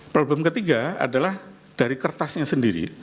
problem ketiga adalah dari kertasnya sendiri